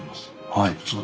はい。